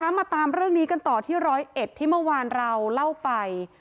มาตามเรื่องนี้กันต่อที่ร้อยเอ็ดที่เมื่อวานเราเล่าไป